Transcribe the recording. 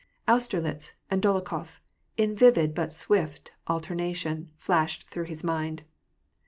Austerlitz and Dolokhof, in vivid but swift alternation, flashed through his mind.